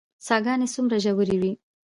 څاه ګانې څومره ژورې وي؟